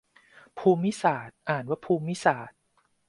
ภูมิศาสตร์ อ่านว่า พูมมิสาด